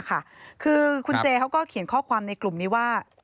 คือคุณเจเขาก็เขียนข้อความในกลุ่มนี้ว่า